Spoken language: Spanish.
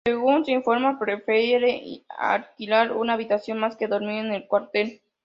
Según se informa, prefería alquilar una habitación más que dormir en el cuartel.